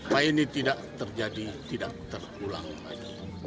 apa ini tidak terjadi tidak terulang lagi